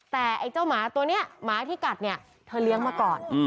แต่ไอ้เจ้าหมาตัวนี้หมาที่กัดเนี่ยเธอเลี้ยงมาก่อน